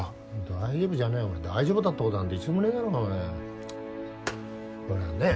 大丈夫じゃねえよお前大丈夫だったことなんて一度もねえだろおい俺はね